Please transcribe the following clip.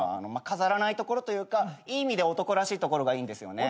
飾らないところというかいい意味で男らしいところがいいんですよね。